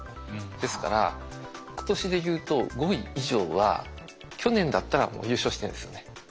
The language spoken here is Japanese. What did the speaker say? ですから今年でいうと５位以上は去年だったら優勝してるんですよね。